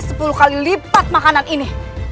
sepuluh kali lipat makanan ini